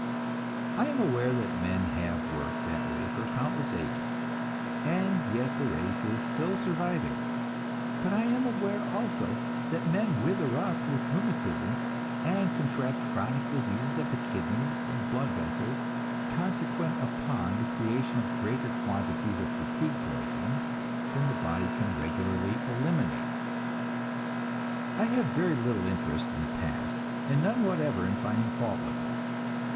I am aware that men have worked that way for countless ages, and yet the race is still surviving; but I am aware also that men wither up with rheumatism, and contract chronic diseases of the kidneys and the blood vessels, consequent upon the creation of greater quantities of fatigue poisons than the body can regularly eliminate. I have very little interest in the past, and none whatever in finding fault with it.